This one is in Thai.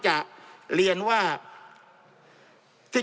จำนวนเนื้อที่ดินทั้งหมด๑๒๒๐๐๐ไร่